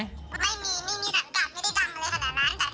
ไม่มีไม่มีสัญลักษณ์ไม่ได้จำอะไรขนาดนั้น